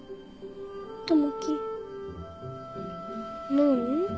何？